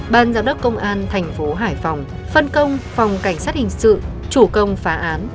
ban giám đốc công an thành phố hải phòng phân công phòng cảnh sát hình sự chủ công phá án